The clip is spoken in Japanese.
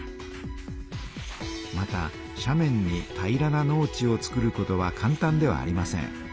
またしゃ面に平らな農地をつくることはかん単ではありません。